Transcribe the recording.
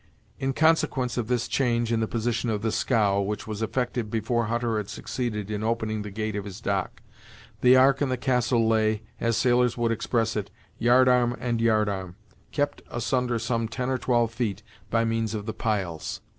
In consequence of this change in the position of the scow, which was effected before Hutter had succeeded in opening the gate of his dock, the Ark and the Castle lay, as sailors would express it, yard arm and yard arm, kept asunder some ten or twelve feet by means of the piles.